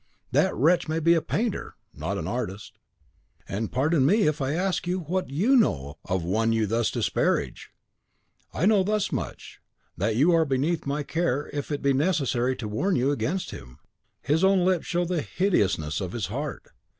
That wretch may be a PAINTER, not an ARTIST." "And pardon me if I ask what YOU know of one you thus disparage?" "I know thus much, that you are beneath my care if it be necessary to warn you against him; his own lips show the hideousness of his heart.